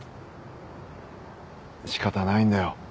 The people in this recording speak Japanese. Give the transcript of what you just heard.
仕方ないんだよ